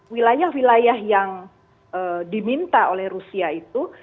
wilayah wilayah yang diminta oleh rusia itu